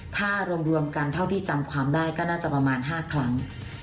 ถ้ารวมกันเท่าที่จำความได้ก็น่าจะประมาณ๕ครั้ง